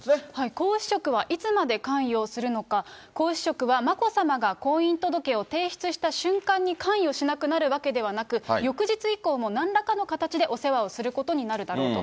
皇嗣職はいつまで関与するのか、皇嗣職は眞子さまが婚姻届を提出した瞬間に関与しなくなるわけではなく、翌日以降もなんらかの形でお世話をすることになるだろうと。